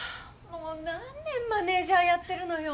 もう何年マネジャーやってるのよ。